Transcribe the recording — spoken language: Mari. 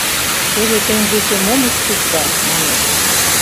«Теве теҥгече мом ыштышда? — манеш.